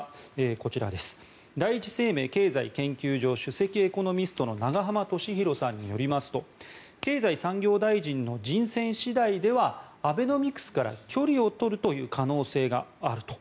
こちら、第一生命経済研究所首席エコノミストの永濱利廣さんによりますと経済産業大臣の人選次第ではアベノミクスから距離を取るという可能性があると。